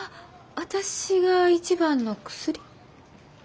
私が一番の薬？